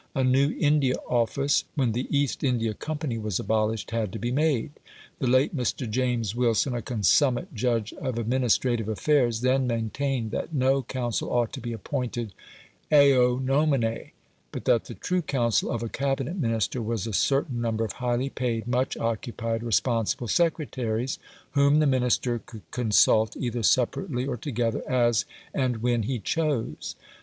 A new India Office, when the East India Company was abolished, had to be made. The late Mr. James Wilson, a consummate judge of administrative affairs, then maintained that no council ought to be appointed eo nomine, but that the true Council of a Cabinet Minister was a certain number of highly paid, much occupied, responsible secretaries, whom the Minister could consult either separately or together, as, and when, he chose.